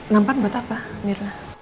nampak buat apa mirna